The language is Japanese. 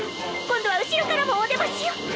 今度は後ろからもおでましよ！